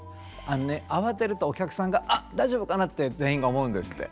あのね慌てるとお客さんが「あっ大丈夫かな？」って全員が思うんですって。